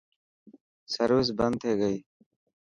سروس بند ٿي گئي.